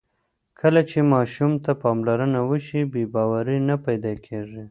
کله چې ماشوم ته پاملرنه وشي، بې باوري نه پیدا کېږي.